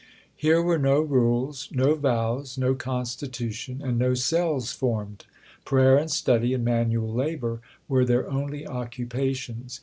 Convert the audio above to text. Here were no rules, no vows, no constitution, and no cells formed. Prayer and study, and manual labour, were their only occupations.